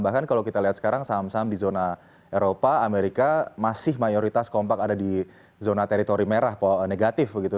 bahkan kalau kita lihat sekarang saham saham di zona eropa amerika masih mayoritas kompak ada di zona teritori merah negatif begitu